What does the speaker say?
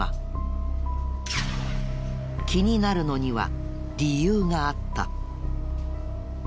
気になるのには理由があった。